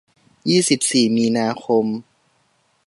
ยี่สิบสี่ มีนาคม